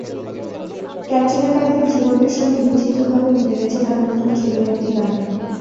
ক্যাটরিনা কাইফের জীবনের সঙ্গে বিচিত্রভাবে মিলে গেছে তাঁর নতুন ছবির একটি গান।